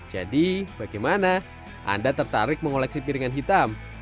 jadi bagaimana anda tertarik mengoleksi piringan hitam